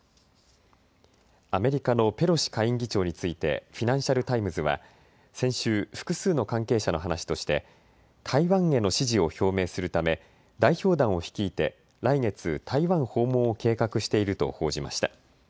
アメリカのペロシ下院議長についてフィナンシャル・タイムズは先週、複数の関係者の話として台湾への支持を表明するため代表団を率いて来月、台湾訪問を計画していると報じました。